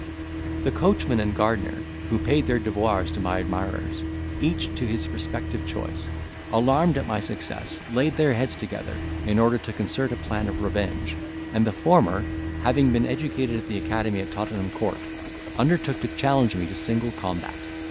The coachman and gardener, who paid their devoirs to my admirers, each to his respective choice, alarmed at my success, laid their heads together, in order to concert a plan of revenge; and the former, having been educated at the academy at Tottenham Court, undertook to challenge me to single combat.